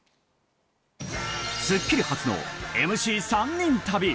『スッキリ』初のＭＣ３人旅。